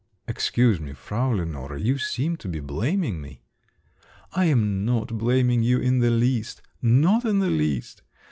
"Excuse me, Frau Lenore, you seem to be blaming me." "I am not blaming you in the least, not in the least!